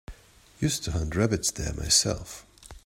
Used to hunt rabbits there myself.